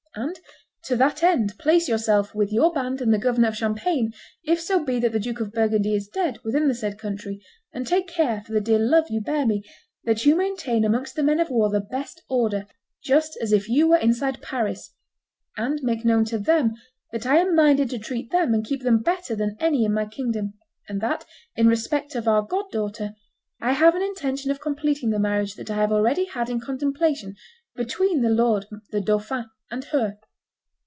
And, to that end, place yourself with your band and the governor of Champagne, if so be that the Duke of Burgundy is dead, within the said country, and take care, for the dear love you bear me, that you maintain amongst the men of war the best order, just as if you were inside Paris; and make known to them that I am minded to treat them and keep them better than any in my kingdom; and that, in respect of our god daughter, I have an intention of completing the marriage that I have already had in contemplation between my lord the dauphin and her.